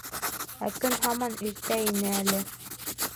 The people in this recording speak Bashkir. Ә көн һаман иртә ине әле.